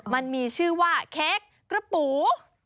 มันมีชื่อว่าเค้กกระปู